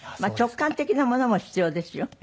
直感的なものも必要ですよ。